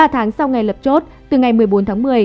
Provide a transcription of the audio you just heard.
ba tháng sau ngày lập chốt từ ngày một mươi bốn tháng một mươi